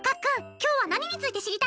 今日は何について知りたいの？